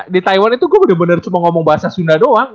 di taiwan itu gue bener bener cuma ngomong bahasa sunda doang